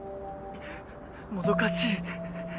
「もどかしい」。